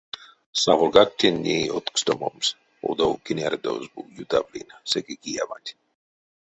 Савольгак тень ней откстомомс, одов кенярдозь бу ютавлинь секе кияванть.